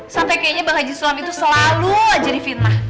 sampe kayaknya bang haji sulam itu selalu lajari fitnah